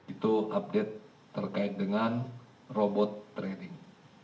itu update terkait dengan robot trading